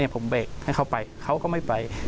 ผมเบรกให้เขาไปเขาก็ไม่ไป